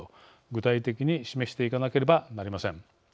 具体的に示していかなければなりません。